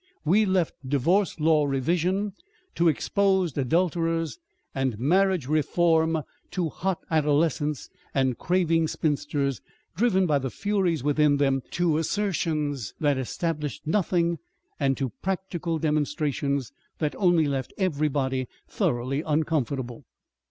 We left divorce law revision to exposed adulterers and marriage reform to hot adolescents and craving spinsters driven by the furies within them to assertions that established nothing and to practical demonstrations that only left everybody thoroughly uncomfortable.